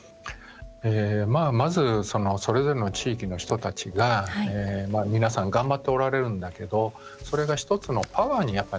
まず、それぞれの地域の人たちが皆さん頑張っておられるんだけどそれが１つのパワーにならないと。